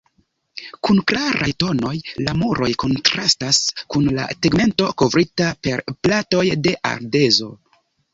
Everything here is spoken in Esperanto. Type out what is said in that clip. Kun klaraj tonoj, la muroj kontrastas kun la tegmento, kovrita per platoj de ardezo.